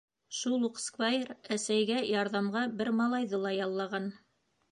Шул уҡ сквайр әсәйгә ярҙамға бер малайҙы ла яллаған.